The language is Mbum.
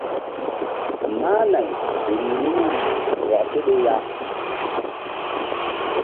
Mah nay rih nun rih bɔk seɗe ya.